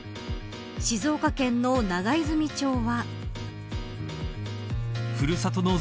静岡県の長泉町は。